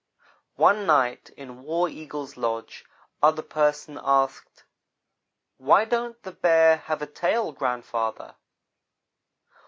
One night in War Eagle's lodge, Other person asked: "Why don't the Bear have a tail, grandfather?"